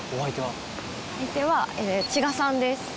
相手は千賀さんです。